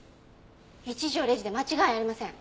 一条礼司で間違いありません。